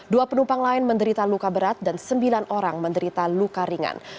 dua penumpang lain menderita luka berat dan sembilan orang menderita luka ringan